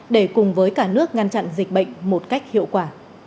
để cùng với cả nước ngăn chặn dịch bệnh một cách hiệu quả